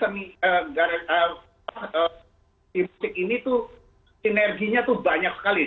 musik ini tuh sinerginya tuh banyak sekali